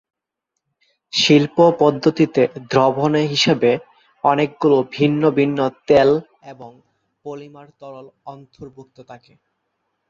শিল্প পদ্ধতিতে দ্রবণে হিসেবে অনেকগুলো ভিন্ন ভিন্ন তেল এবং পলিমার তরল অন্তর্ভুক্ত থাকে।